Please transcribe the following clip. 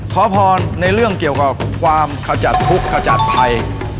ขอพรในเรื่องเกี่ยวกับความขจัดทุกข์ขจัดภัย